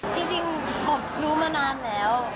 จริงผมรู้มานานแล้ว